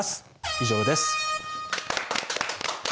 以上です。